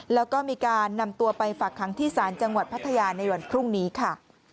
แล้วก็มีการนำตัวไปฝากค้างที่ศาลจังหวัดพัทยาในวันพรุ่งนี้ค่ะ